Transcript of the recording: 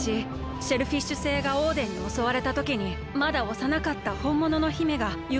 シェルフィッシュ星がオーデンにおそわれたときにまだおさなかったほんものの姫がゆくえ